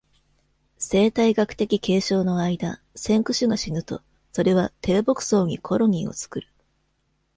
生態学的継承の間、先駆種が死ぬと、それは低木層にコロニーを作る。